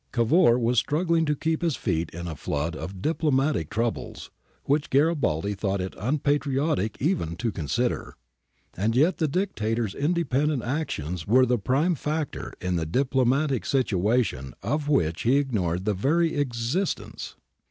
Cavour was struggling to keep his feet in a flood of diplomatic troubles which Garibaldi thought it unpatriotic even to consider, and yet the Dictator's in dependent actions were the prime factor in the diplo matic situation of which he ignored the very existence.